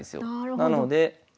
なので。